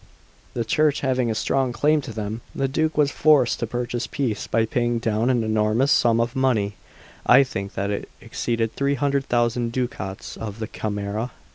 The Church having a strong claim to them, the Duke was forced to purchase peace by paying down an enormous sum of money; I think that it exceeded three hundred thousand ducats of the Camera.